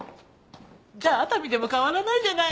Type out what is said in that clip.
じゃあ熱海でも変わらないじゃない。